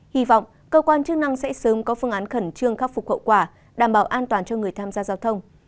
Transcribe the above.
hy vọng cơ quan chức năng sẽ sớm có phương án khẩn trương khắc phục hậu quả đảm bảo an toàn cho người tham gia giao thông